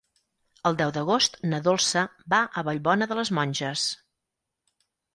El deu d'agost na Dolça va a Vallbona de les Monges.